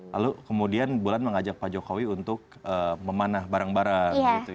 lalu kemudian bulan mengajak pak jokowi untuk memanah barang barang